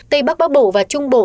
tây bắc bắc bộ và trung bộ